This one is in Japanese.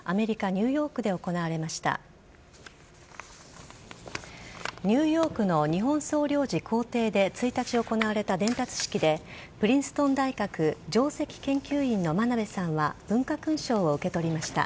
ニューヨークの日本総領事公邸で１日行われた伝達式でプリンストン大学上席研究員の真鍋さんは文化勲章を受け取りました。